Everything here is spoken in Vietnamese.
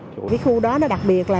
cái khu đó đặc biệt là